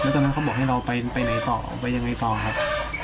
ตอนนั้นเขาบอกให้เราไปไหนต่อไปยังไงต่อครับ